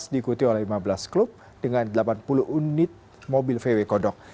diikuti oleh lima belas klub dengan delapan puluh unit mobil vw kodok